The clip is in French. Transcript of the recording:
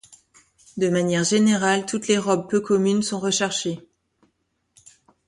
De manière générale, toutes les robes peu communes sont recherchées.